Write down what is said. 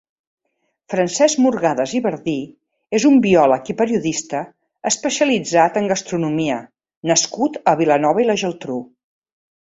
Francesc Murgadas i Bardí és un biòleg i periodista especialitzat en gastronomia nascut a Vilanova i la Geltrú.